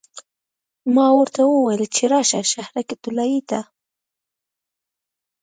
ما ورته وویل چې راشه شهرک طلایې ته.